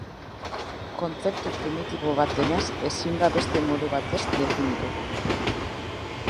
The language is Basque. Kontzeptu primitibo bat denez ezin da beste modu batez definitu.